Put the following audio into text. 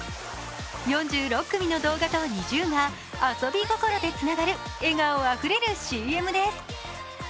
４６組の動画とＮｉｚｉＵが遊び心でつながる笑顔あふれるＣＭです。